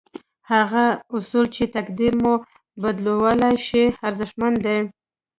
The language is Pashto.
هغه اصول چې تقدير مو بدلولای شي ارزښتمن دي.